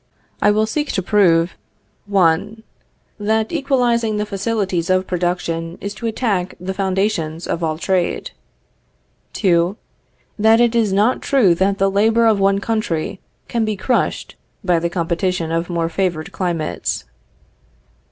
I will seek to prove 1. That equalizing the facilities of production is to attack the foundations of all trade. 2. That it is not true that the labor of one country can be crushed by the competition of more favored climates.